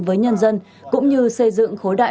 với nhân dân cũng như xây dựng khối đại